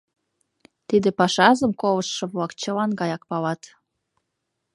Тиде пашазым колыштшо-влак чылан гаяк палат.